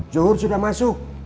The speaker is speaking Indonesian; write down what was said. juhur sudah masuk